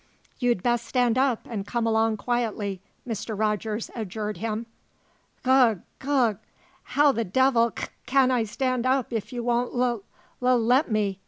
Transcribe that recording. "You'd best stand up and come along quietly," Mr. Rogers adjured him. "Gug gug how the devil c can I stand up if you won't lul lul let me?"